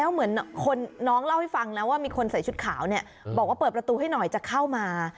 เหมือนคนน้องเล่าให้ฟังนะว่ามีคนใส่ชุดขาวเนี่ยบอกว่าเปิดประตูให้หน่อยจะเข้ามา